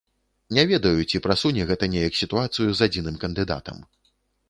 Не ведаю, ці прасуне гэта неяк сітуацыю з адзіным кандыдатам.